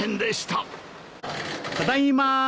ただいま。